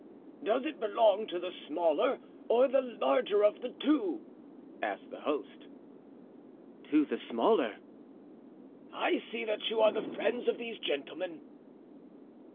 "Does it belong to the smaller or to the larger of the two?" asked the host. "To the smaller." "I see that you are the friends of these gentlemen."